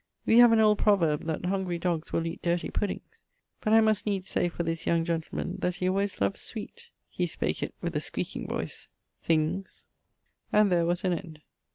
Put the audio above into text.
Wee have an old proverbe that Hungry dogges will eate dirty puddings; but I must needes say for this young gentleman, that he always loved[VII.] sweet' he spake it with a squeaking voice 'things,' and there was an end.